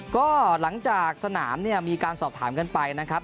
ก็หลังจากสนามเนี่ยมีการสอบถามกันไปนะครับ